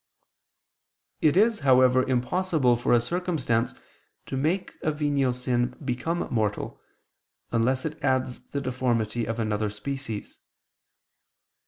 It is, however, impossible for a circumstance to make a venial sin become mortal, unless it adds the deformity of another species.